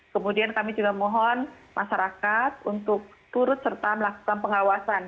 kemudian kami juga mohon masyarakat untuk turut serta melakukan pengawasan